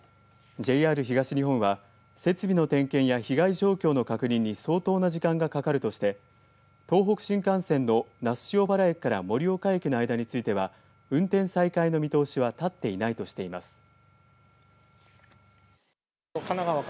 ＪＲ東日本は設備の点検や被害状況の確認に相当な時間がかかるとして東北新幹線の那須塩原駅から盛岡駅の間については運転再開の見通しは立っていないとしています。